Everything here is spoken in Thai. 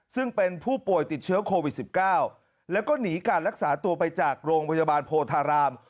ซึ่งเป็นผู้ป่วยติดเชื้อโควิด๑๙แล้วก็หนีการรักษาตัวไปจากโรงพยาบาลโพธาราม